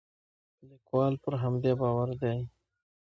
لیکوال پر همدې باور دی.